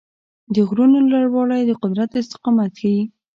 د غرونو لوړوالی د قدرت استقامت ښيي.